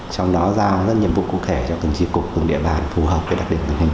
trong đó giao rất nhiệm vụ cụ thể cho từng tri cục từng địa bàn phù hợp với đặc điểm tình hình